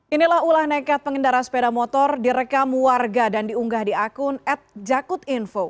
inilah ulah nekat pengendara sepeda motor direkam warga dan diunggah di akun atjakutinfo